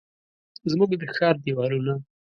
زموږ د ښار دیوالونه،